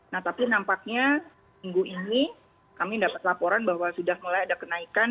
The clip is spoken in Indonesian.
nah tapi nampaknya minggu ini kami dapat laporan bahwa sudah mulai ada kenaikan